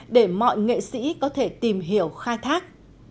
để mọi nghệ sĩ có thể tìm hiểu khai thác